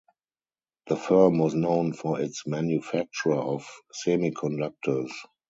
The firm was known for its manufacture of semiconductors.